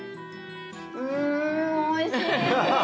うんおいしい！